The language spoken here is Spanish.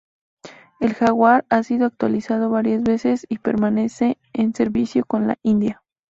El "Jaguar" ha sido actualizado varias veces y permanece en servicio con la India.